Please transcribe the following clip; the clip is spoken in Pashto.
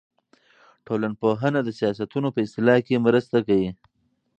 ټولنپوهنه د سیاستونو په اصلاح کې مرسته کوي.